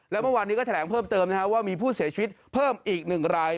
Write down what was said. แล้วเมื่อวานนี้ก็แถลงเพิ่มเติมว่ามีผู้เสียชีวิตเพิ่มอีก๑ราย